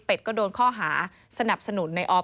ก็โดนข้อหาสนับสนุนในออฟ